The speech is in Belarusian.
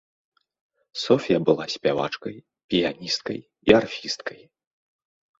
Соф'я была спявачкай, піяністкай і арфісткай.